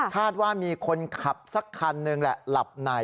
คาดว่ามีคนขับสักคันหนึ่งแหละหลับใน